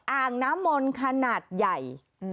อ่างน้ำมนต์ขนาดใหญ่